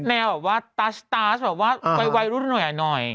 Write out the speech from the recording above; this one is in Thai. แนวแบบว่าตั๊ชแบบว่าวัยรุ่นหน่อย